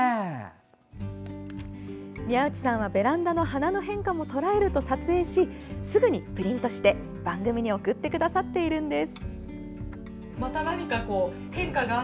宮内さんはベランダの花の変化もとらえると撮影しすぐにプリントして、番組に送ってくださっているんです。